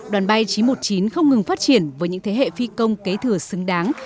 đoàn bay chín trăm một mươi chín không ngừng phát triển với những thế hệ phi công kế thừa xứng đáng